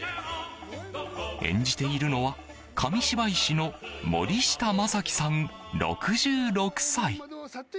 演じているのは紙芝居師の森下昌毅さん、６６歳。